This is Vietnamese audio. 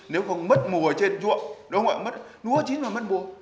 nếu không mất mùa trên chuộng đúng không ạ mất lúa chín mà mất bùa